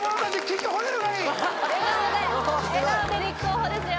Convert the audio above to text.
笑顔で笑顔で立候補ですよ